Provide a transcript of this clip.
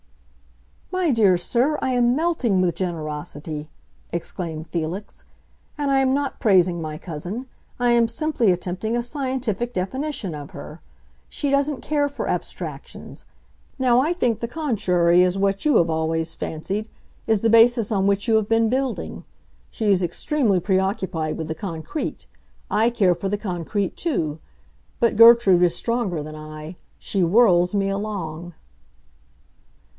"My dear sir, I am melting with generosity!" exclaimed Felix. "And I am not praising my cousin. I am simply attempting a scientific definition of her. She doesn't care for abstractions. Now I think the contrary is what you have always fancied—is the basis on which you have been building. She is extremely preoccupied with the concrete. I care for the concrete, too. But Gertrude is stronger than I; she whirls me along!"